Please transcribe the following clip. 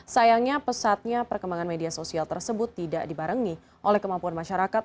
sayangnya pesatnya perkembangan media sosial tersebut tidak dibarengi oleh kemampuan masyarakat